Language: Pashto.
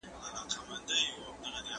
شتمن خلګ د خپلو ګټو لپاره دیني دودونه پالي.